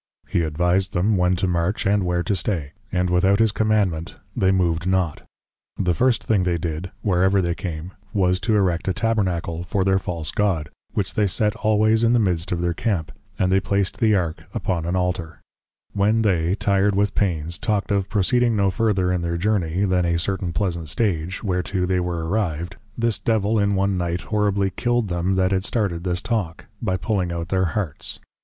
He advised them, when to March, and where to Stay, and without his Commandment they moved not. The first thing they did, where ever they came, was to Erect a Tabernacle, for their false god; which they set always in the midst of their Camp, and they placed the Ark upon an Alter. When they, Tired with pains, talked of, proceeding no further in their Journey, than a certain pleasant Stage, whereto they were arrived, this Devil in one Night, horribly kill'd them that had started this Talk, by pulling out their Hearts.